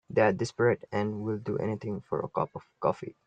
They're desperate and will do anything for a cup of coffee.